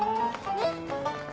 ねっ！